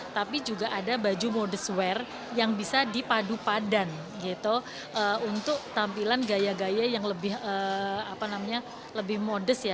tapi juga ada baju modest wear yang bisa dipadu padan gitu untuk tampilan gaya gaya yang lebih modest ya